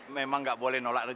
memang nggak boleh nolak